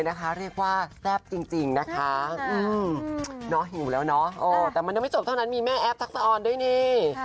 เรียกว่าแซ่บจริงนะคะหิวแล้วเนาะแต่มันยังไม่จบเท่านั้นมีแม่แอฟทักษะออนด้วยนี่